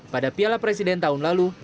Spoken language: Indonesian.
pada piala presiden tahun lalu